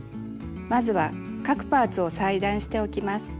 まずは各パーツを裁断しておきます。